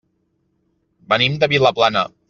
Venim de Vilaplana.